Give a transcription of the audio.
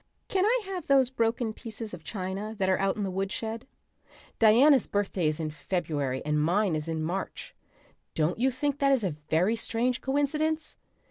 Can I have those broken pieces of china that are out in the woodshed? Diana's birthday is in February and mine is in March. Don't you think that is a very strange coincidence?